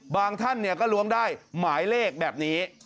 ท่านก็ล้วงได้หมายเลขแบบนี้